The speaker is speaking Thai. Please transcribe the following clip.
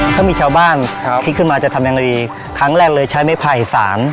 ถ้ามีชาวบ้านครับคิดขึ้นมาจะทำยังไงดีครั้งแรกเลยใช้ไม้ไผ่สาร